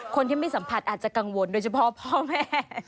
คนที่ไม่สัมผัสอาจจะกังวลโดยเฉพาะพ่อแม่